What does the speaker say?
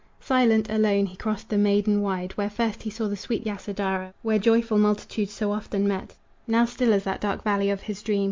Silent, alone he crossed the maidan wide Where first he saw the sweet Yasodhara, Where joyful multitudes so often met, Now still as that dark valley of his dream.